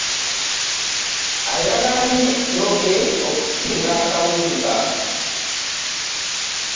Ayagala nnyo ettooke okusinga akawunga.